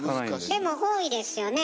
でも多いですよね